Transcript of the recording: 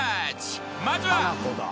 まずは］